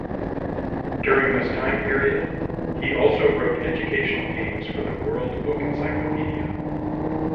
During this time period he also wrote educational games for the "World Book Encyclopedia".